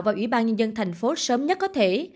và ủy ban nhân dân thành phố sớm nhất có thể